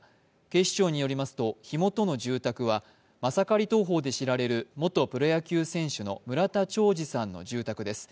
警視庁によりますと火元の住宅はマサカリ投法で知られる元プロ野球選手の村田兆治さんの住宅です。